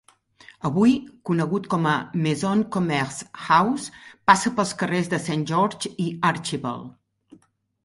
Avui, conegut com a Maison Commerce House, passa pels carrers de Saint George i Archibald.